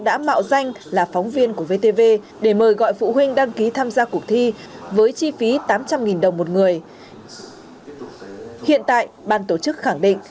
để thu hút phụ huynh đăng ký cho con em tham gia